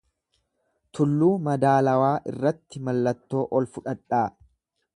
Tulluu madaalawaa irratti mallattoo ol fudhadhaa.